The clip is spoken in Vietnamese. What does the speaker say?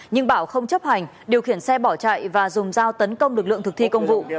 nhưng bảo không chấp hành điều khiển xe bỏ chạy và dùng dao tấn công lực lượng thực thi công vụ